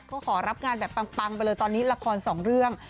เขาขอรับงานแบบปังไปเลยตอนนี้ละครสองเรื่อง